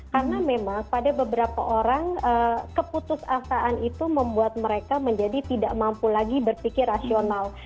karena memang pada beberapa orang keputus asaan itu membuat mereka menjadi tidak mampu lagi berpikir rasional